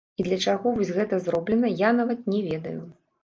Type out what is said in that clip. І для чаго вось гэта зроблена, я нават не ведаю.